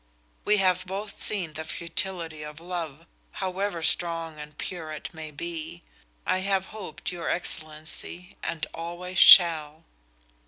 We have both seen the futility of love, however strong and pure it may be. I have hoped, your excellency, and always shall."